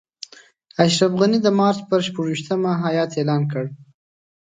اشرف غني د مارچ پر شپږویشتمه هیات اعلان کړ.